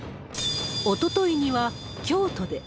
おとといには京都で。